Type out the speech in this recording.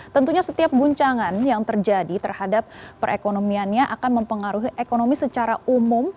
tentunya setiap guncangan yang terjadi terhadap perekonomiannya akan mempengaruhi ekonomi secara umum